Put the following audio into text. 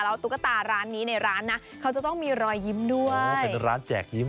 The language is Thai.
แล้วตุ๊กตาร้านนี้ในร้านนะเขาจะต้องมีรอยยิ้มด้วยโอ้เป็นร้านแจกยิ้ม